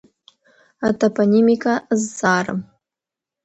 Атопонимика азҵаара.